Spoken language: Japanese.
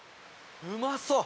うまそう！